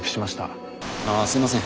ああすいません。